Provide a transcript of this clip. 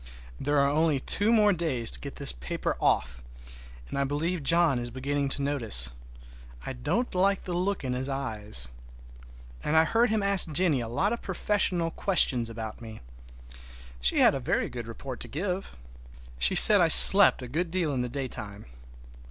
There are only two more days to get this paper off, and I believe John is beginning to notice. I don't like the look in his eyes. And I heard him ask Jennie a lot of professional questions about me. She had a very good report to give. She said I slept a good deal in the daytime.